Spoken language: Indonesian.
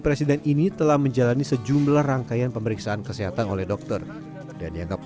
presiden ini telah menjalani sejumlah rangkaian pemeriksaan kesehatan oleh dokter dan dianggap